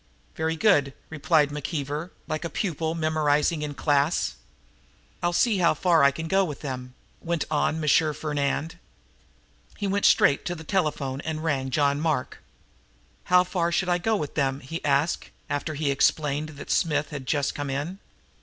"Very good," replied McKeever, like a pupil memorizing in class. "I'll see how far I can go with them," went on M. Fernand. He went straight to the telephone and rang John Mark. "How far should I go with them?" he asked, after he had explained that Smith had just come in.